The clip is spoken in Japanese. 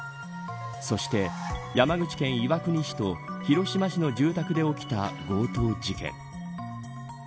そして山口県岩国市と広島市の住宅で起きた強盗事件。